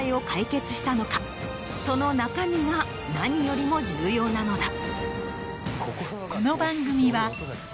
その中身が何よりも重要なのだ。